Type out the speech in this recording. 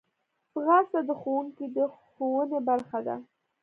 ځغاسته د ښوونکي د ښوونې برخه ده